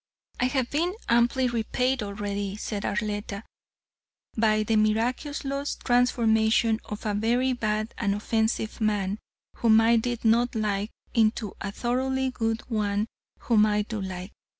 "I have been amply repaid already," said Arletta, "by the miraculous transformation of a very bad and offensive man whom I did not like, into a thoroughly good one whom I do like.